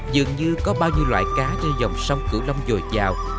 dường như có bao nhiêu loại cá trên dòng sông cửu long dồi dào